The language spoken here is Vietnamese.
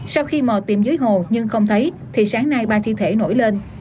sau khi mò tìm dưới hồ nhưng không thấy thì sáng nay ba thi thể nổi lên